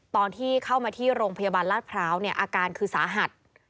ตอนที่เข้ามาที่โรงพยาบาลลาดพร้าวเนี่ยอาการคือสาหัส